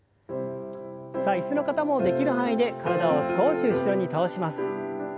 さあ椅子の方もできる範囲で体を少し後ろに倒します。